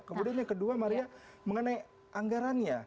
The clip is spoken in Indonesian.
kemudian yang kedua maria mengenai anggarannya